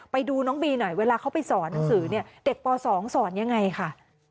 ไปดูน้องบีหน่อยเวลาเขาไปสอนหนังสือเนี่ยเด็กป๒สอนยังไงค่ะ